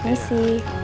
sampai jumpa lagi